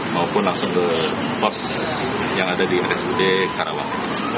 maupun langsung ke pos yang ada di rsud karawang